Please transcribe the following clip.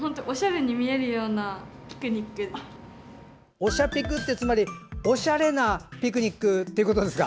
おしゃピクってつまりおしゃれなピクニックっていうことですか。